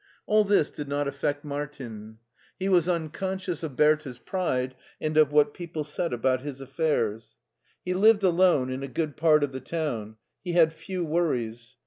All this did not affect Martin. He was unconscious of Ber tha's pride and of what people said about his affairs. He lived alone in a good part of the town. He had few worries.